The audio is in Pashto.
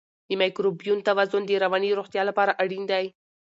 د مایکروبیوم توازن د رواني روغتیا لپاره اړین دی.